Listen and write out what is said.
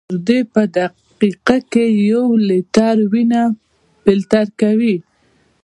ګردې په دقیقه کې یو لیټر وینه فلټر کوي.